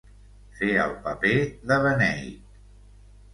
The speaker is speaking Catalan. Fer el paper de beneit.